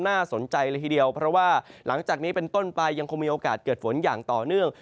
น่าสนใจเลยทีเดียวเพราะว่าหลังจากนี้เป็นต้นไปยังคงมีโอกาสเกิดฝนอย่างต่อเนื่อง